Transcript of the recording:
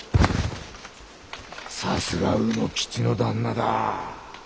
さすが卯之吉の旦那だ。